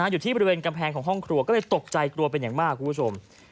อยู่ที่บริเวณกำแพงของห้องครัวก็เลยตกใจกลัวเป็นอย่างมากคุณผู้ชม